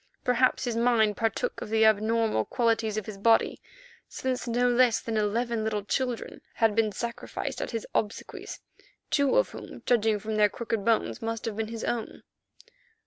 Perhaps his mind partook of the abnormal qualities of his body, since no less than eleven little children had been sacrificed at his obsequies, two of whom, judging from their crooked bones, must have been his own.